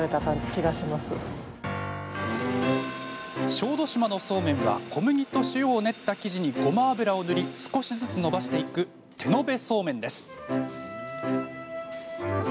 小豆島のそうめんは小麦と塩を練った生地にごま油を塗り少しずつ延ばしていく手延べそうめんです。